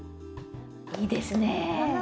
いいですね。